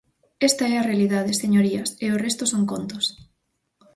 Esta é a realidade, señorías, e o resto son contos.